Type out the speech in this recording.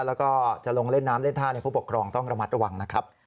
แล้วก็จะลงเล่นน้ำเล่นท่าผู้ปกครองต้องระมัดระวังนะครับ